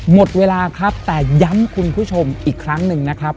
หมดเวลาครับแต่ย้ำคุณผู้ชมอีกครั้งหนึ่งนะครับ